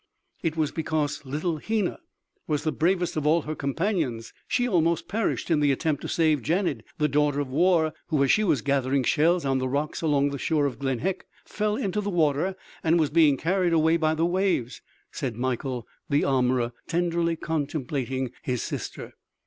"It was because little Hena was the bravest of all her companions, she almost perished in the attempt to save Janed, the daughter of Wor, who, as she was gathering shells on the rocks along the shore of Glen' Hek, fell into the water and was being carried away by the waves," said Mikael the armorer, tenderly contemplating his sister.